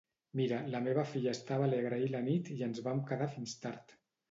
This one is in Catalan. Mira, la meva filla estava alegre ahir a la nit i ens vam quedar fins tard.